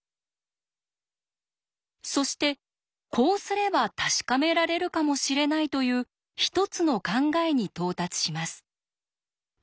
そしてこうすれば確かめられるかもしれないという一つの考えに到達します。